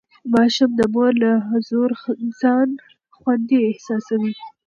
ماشوم د مور له حضور ځان خوندي احساسوي.